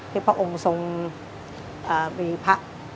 ที่พระองค์ทรงมีผัก